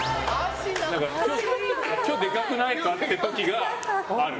でかくないか？っていう時がある。